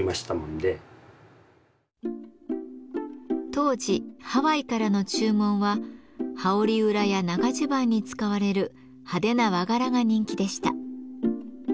当時ハワイからの注文は羽織裏や長じゅばんに使われる派手な和柄が人気でした。